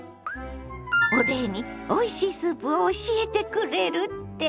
お礼においしいスープを教えてくれるって？